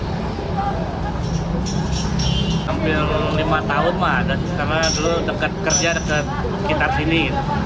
sampai lima tahun karena dulu dekat kerja dekat kita sini